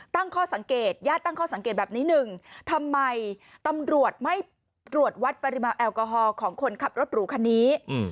ตั้งข้อสังเกตญาติตั้งข้อสังเกตแบบนี้หนึ่งทำไมตำรวจไม่ตรวจวัดปริมาณแอลกอฮอล์ของคนขับรถหรูคันนี้